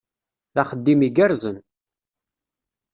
D axeddim igerrzen!